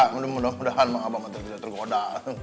mudah mudahan abah bisa tergoda